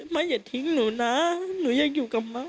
ม้าอย่าทิ้งหนูนะหนูยังอยู่กับม้า